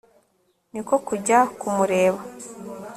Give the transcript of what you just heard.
ni ko kujya kumureba